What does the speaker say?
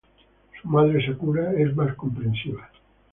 Su madre, Sakura, es más comprensiva.